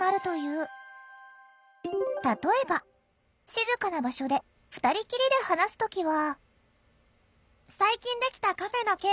静かな場所で２人きりで話す時は。